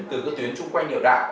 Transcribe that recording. từ cái tuyến chung quanh điệu đang